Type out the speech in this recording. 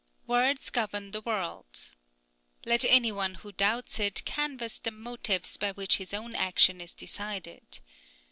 Words govern the world. Let any one who doubts it, canvass the motives by which his own action is decided.